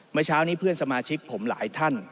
เมื่อเช้านี้เพื่อนสมาชิกผมหลายท่าน